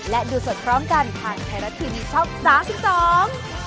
และดูสดพร้อมกันทางแทรฟ์รัดทีวีช่อง๓๒